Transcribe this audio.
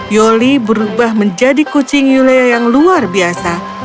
yoli berubah menjadi kucing yulea yang luar biasa